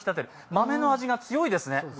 豆の味が強いですね。